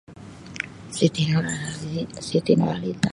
Siti Nurhazi- Siti Nurhaliza.